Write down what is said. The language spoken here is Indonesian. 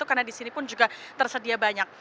karena di sini pun juga tersedia banyak